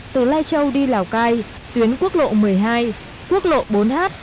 từ lai châu đi lào cai tuyến quốc lộ một mươi hai quốc lộ bốn h